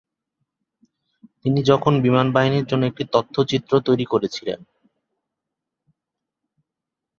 তিনি তখন বিমান বাহিনীর জন্য একটি তথ্যচিত্র তৈরি করেছিলেন।